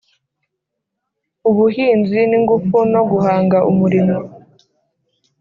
ubuhinzi n’ ingufu no guhanga umurimo